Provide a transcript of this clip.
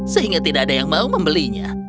sehingga tidak ada yang mau membelinya